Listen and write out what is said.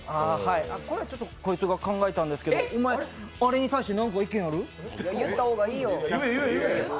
これはこいつが考えたんですけど、あれに対して意見ある？